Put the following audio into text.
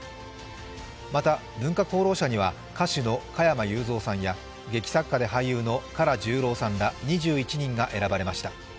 また、文化功労者には歌手の加山雄三さんや劇作家で俳優の唐十郎さんら２６人が選ばれました。